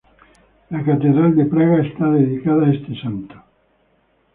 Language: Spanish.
La catedral de Praga está dedicada a este santo.